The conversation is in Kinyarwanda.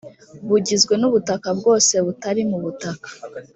bugizwe n ubutaka bwose butari mu butaka